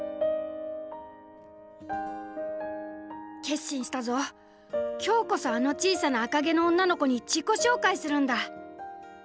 「決心したぞ今日こそあの小さな赤毛の女の子に自己紹介するんだ」。